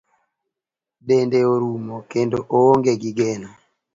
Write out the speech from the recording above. Dende orumo, kendo oonge gi geno.